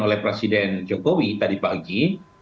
oleh presiden jokowi tadi pagi